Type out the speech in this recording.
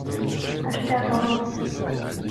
— А ще кого?